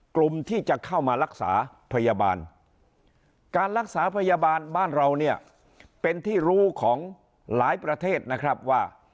กลุ่มที่จะเข้ามารักษาพยาบาลการรักษาพยาบาลบ้านเราเนี่ยเป็นที่รู้ของหลายประเทศนะครับว่า